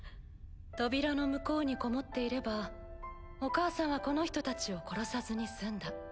扉の向こうにこもっていればお母さんはこの人たちを殺さずに済んだ。